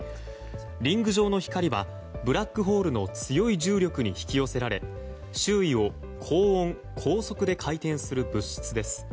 リング状の光はブラックホールの強い重力に引き寄せられ周囲を高温・高速で回転する物質です。